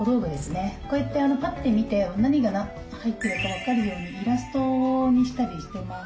こうやってパッて見て何が入ってるか分かるようにイラストにしたりしてます。